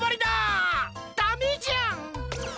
ダメじゃん！